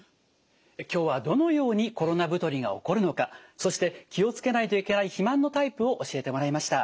今日はどのようにコロナ太りが起こるのかそして気を付けないといけない肥満のタイプを教えてもらいました。